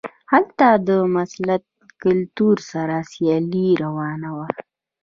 هلته له مسلط کلتور سره سیالي روانه وه.